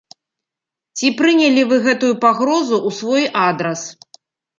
Ці прынялі вы гэтую пагрозу ў свой адрас.